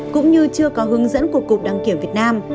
cũng như chưa có hướng dẫn của cục đăng kiểm việt nam